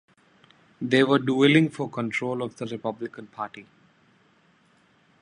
They were dueling for control of the Republican Party.